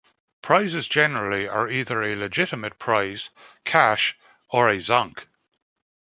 Prizes generally are either a legitimate prize, cash, or a Zonk.